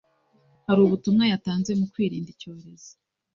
hari ubutumwa yatanze mu kwirinda Icyorezo